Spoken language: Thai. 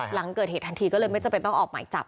หลังเกิดเหตุทันทีก็เลยไม่จำเป็นต้องออกหมายจับ